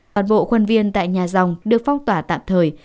bọn bộ quân viên tại nhà dòng được phong tỏa tạm thời